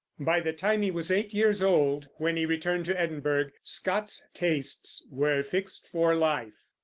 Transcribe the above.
By the time he was eight years old, when he returned to Edinburgh, Scott's tastes were fixed for life.